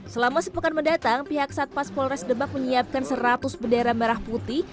selama sepekan mendatang pihak satpas polres demak menyiapkan seratus bendera merah putih